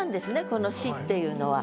この「し」っていうのは。